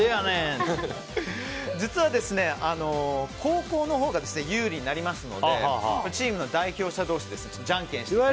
実は、後攻のほうが有利になりますのでチームの代表者同士じゃんけんしていただいて。